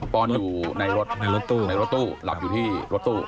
ปอนด์อยู่ในรถในรถตู้หลับอยู่ที่รถตู้